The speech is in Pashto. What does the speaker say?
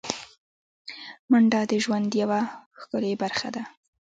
منډه د ژوند یوه ښکلی برخه ده